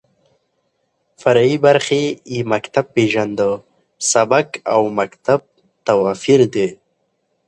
فرعي برخې يې مکتب پېژنده، سبک او مکتب تواپېر دى.